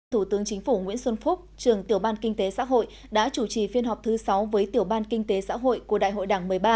thủ tướng chính phủ nguyễn xuân phúc trường tiểu ban kinh tế xã hội đã chủ trì phiên họp thứ sáu với tiểu ban kinh tế xã hội của đại hội đảng một mươi ba